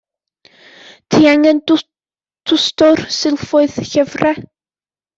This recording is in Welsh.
Ti angen dwsto'r silffoedd llyfre.